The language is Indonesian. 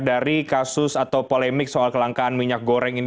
dari kasus atau polemik soal kelangkaan minyak goreng ini